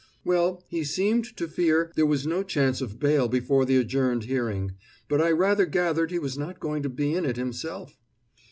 "Well, he seemed to fear there was no chance of bail before the adjourned hearing. But I rather gathered he was not going to be in it himself?"